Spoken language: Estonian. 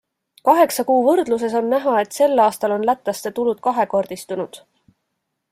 Kaheksa kuu võrdluses on näha, et sel aastal on lätlaste tulud kahekordistunud.